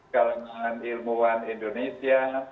kalangan ilmuwan indonesia